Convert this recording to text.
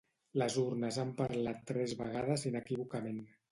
Les urnes han parlat tres vegades inequívocament.